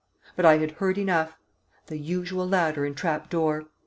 But I had heard enough. "The usual ladder and trap door!"